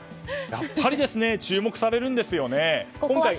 やっぱり注目されるんですよね。